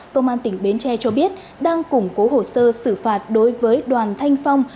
công an tỉnh bến tre cho biết đang củng cố hồ sơ xử phạt đối với đoàn thanh phong